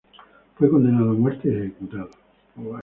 Fue condenado a muerte y ejecutado.